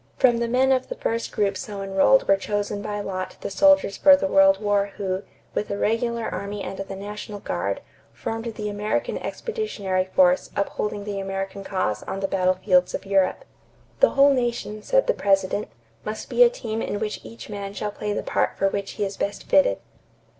From the men of the first group so enrolled were chosen by lot the soldiers for the World War who, with the regular army and the national guard, formed the American Expeditionary Force upholding the American cause on the battlefields of Europe. "The whole nation," said the President, "must be a team in which each man shall play the part for which he is best fitted."